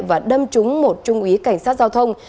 và đâm trúng một trung úy cảnh sát giao thông